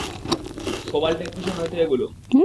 কোবাল্টের খোসা নয়তো এগুলো?